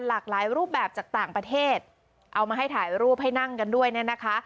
หลากหลายรูปแบบจากต่างประเทศเอามาให้ถ่ายรูปให้นั่งกันด้วยเนี่ยนะคะ